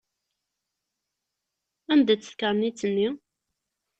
Anda-tt tkarnit-nni?